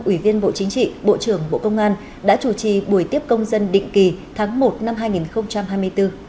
ủy viên bộ chính trị bộ trưởng bộ công an đã chủ trì buổi tiếp công dân định kỳ tháng một năm hai nghìn hai mươi bốn